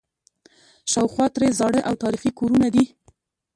شاوخوا ترې زاړه او تاریخي کورونه دي.